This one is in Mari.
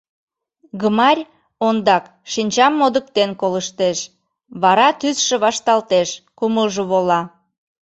Гмарь ондак шинчам модыктен колыштеш, вара тӱсшӧ вашталтеш, кумылжо вола.